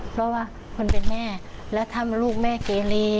เพราะว่าคนเป็นแม่แล้วถ้าลูกแม่เกลี